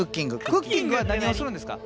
クッキングは何をするんですか？